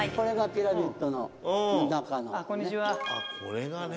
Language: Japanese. ピラミッドの中。